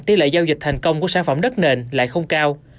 tỷ lệ giao dịch thành công của sản phẩm đất nền lại không cao